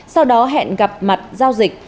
sau đó hẹn gặp mặt giao dịch